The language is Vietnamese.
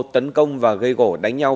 tấn công và gây gỗ đánh nhau